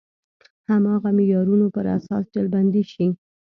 هماغه معیارونو پر اساس ډلبندي شي.